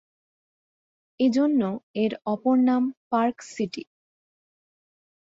এজন্য এর অপর নাম "পার্ক সিটি।"